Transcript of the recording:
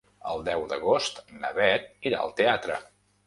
El deu d'agost na Beth irà al teatre.